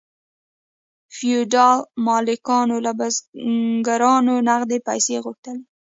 فیوډال مالکانو له بزګرانو نغدې پیسې غوښتلې.